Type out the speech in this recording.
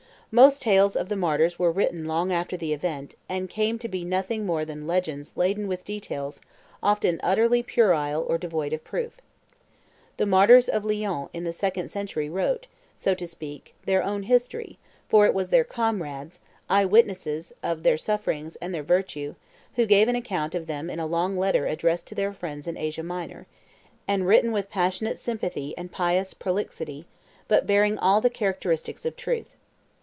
Most tales of the martyrs were written long after the event, and came to be nothing more than legends laden with details often utterly puerile or devoid of proof. The martyrs of Lyons in the second century wrote, so to speak, their own history; for it was their comrades, eye witnesses of their sufferings and their virtue, who gave an account of them in a long letter addressed to their friends in Asia Minor, and written with passionate sympathy and pious prolixity, but bearing all the, characteristics of truth.